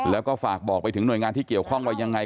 แล้วก็ฝากบอกไปถึงหน่วยงานที่เกี่ยวข้องว่ายังไง